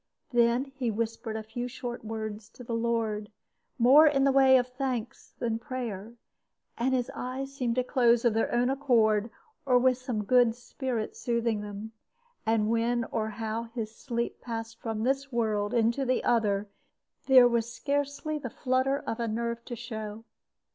Then he whispered a few short words to the Lord, more in the way of thanks than prayer, and his eyes seemed to close of their own accord, or with some good spirit soothing them. And when or how his sleep passed from this world into the other there was scarcely the flutter of a nerve to show.